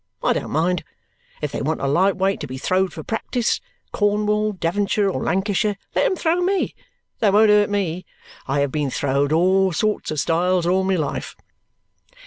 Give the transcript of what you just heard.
I don't mind. If they want a light weight to be throwed for practice, Cornwall, Devonshire, or Lancashire, let 'em throw me. They won't hurt ME. I have been throwed, all sorts of styles, all my life!"